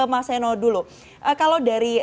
mas seno dulu kalau dari